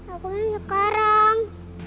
aku mau sekarang